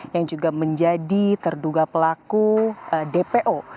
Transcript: yang juga menjadi terduga pelaku dpo